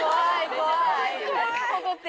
怖い！